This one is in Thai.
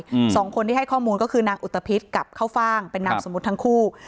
อืมสองคนที่ให้ข้อมูลก็คือนางอุตภิษกับข้าวฟ่างเป็นนามสมมุติทั้งคู่